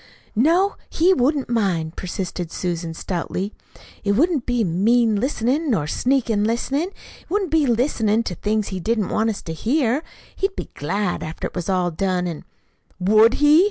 "No, he wouldn't mind," persisted Susan stoutly. "It wouldn't be a mean listenin', nor sneak listenin'. It wouldn't be listenin' to things he didn't want us to hear. He'd be glad, after it was all done, an' " "Would he!"